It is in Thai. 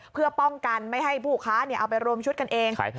เพื่อป้องกันไม่ให้ผู้ค้าเอาไปรวมชุดกันเอง